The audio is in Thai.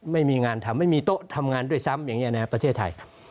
ไม่มีงานทำไม่มีโต๊ะทำงานด้วยซ้ำอย่างนี้นะครับประเทศไทย